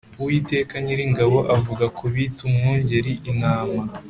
Uwiteka Nyiringabo avuga kubita umwungeri intama